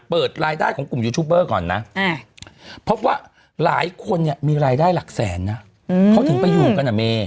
เพราะว่าหลายคนเนี่ยมีรายได้หลักแสนนะเขาถึงไปอยู่กันอะเม